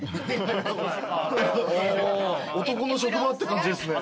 男の職場って感じですね。